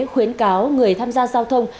khuyến cáo người tham gia giao thông